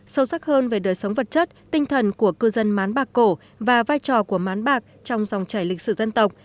sâu sắc hơn về đời sống vật chất tinh thần của cư dân mán bạc cổ và vai trò của mán bạc trong dòng chảy lịch sử dân tộc